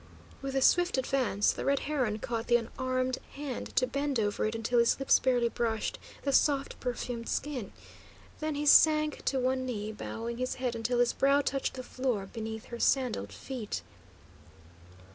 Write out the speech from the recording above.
With a swift advance the Red Heron caught the unarmed hand, to bend over it until his lips barely brushed the soft, perfumed skin. Then he sank to one knee, bowing his head until his brow touched the floor beneath her sandalled feet.